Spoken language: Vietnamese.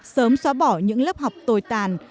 sớm xóa bỏ những lớp học tồi tàn